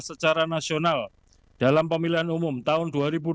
secara nasional dalam pemilihan umum tahun dua ribu dua puluh